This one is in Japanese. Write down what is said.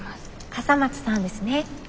笠松さんですね。